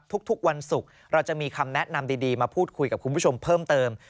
ทุกวันศุกร์เราจะมีคำแนะนำดีมาพูดคุยกับคุณผู้ชมเพิ่มเติม